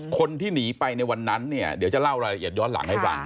คนที่หนีไปในวันนั้นเนี่ยเดี๋ยวจะเล่ารายละเอียดย้อนหลังให้ฟัง